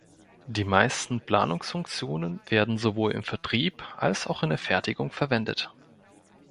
Die meisten Planungsfunktionen werden sowohl im Vertrieb als auch in der Fertigung verwendet.